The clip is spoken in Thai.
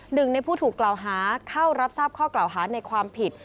หนึ่งในผู้ถูกกล่าวหาเข้ารับทราบข้อกล่าวหาในความผิด